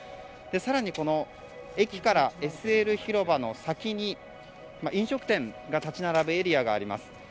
さらにＳＬ広場の先に飲食店が立ち並ぶエリアがあります。